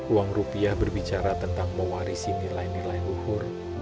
uang rupiah berbicara tentang mewarisi nilai nilai luhur